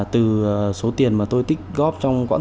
từ số tiền mà tôi tích góp trong